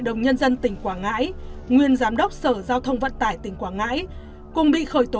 đồng nhân dân tỉnh quảng ngãi nguyên giám đốc sở giao thông vận tải tỉnh quảng ngãi cùng bị khởi tố